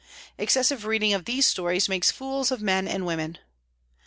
Excessive reading of these stories makes fools of men and women.